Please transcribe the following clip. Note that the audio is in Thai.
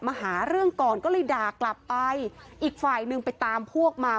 มาหาเรื่องก่อนก็เลยด่ากลับไปอีกฝ่ายหนึ่งไปตามพวกมา